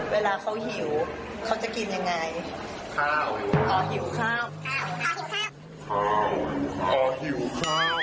เวลาเขาหิวเขาจะกินยังไงข้าวอ๋อหิวข้าวข้าวหิวข้าวข้าวหิวข้าว